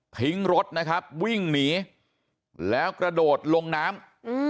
ทิ้งรถนะครับวิ่งหนีแล้วกระโดดลงน้ำ